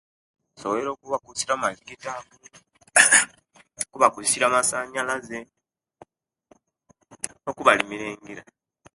Nsobwoire okubakusira amaizi ga tapu, kubakusira amasanyalaze no kubalimira engira